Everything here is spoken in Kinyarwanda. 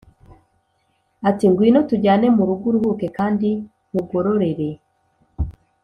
ati “Ngwino tujyane mu rugo uruhuke kandi nkugororere”